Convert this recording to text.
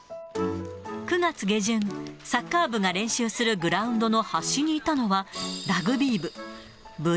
９月下旬、サッカー部が練習するグラウンドの端にいたのは、ラグビー部。